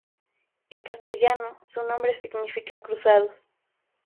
En castellano su nombre significa "Cruzados".